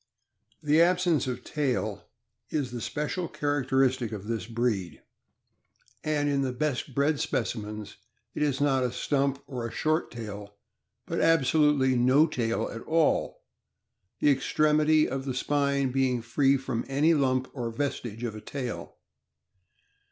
The absence of tail is the special characteristic of this 518 THE AMERICAN BOOK OF THE DOG. breed, and in the best bred specimens it is not a stump or a short tail, but absolutely no tail at all, the extremity of the spine being free from any lump or vestige of a tail.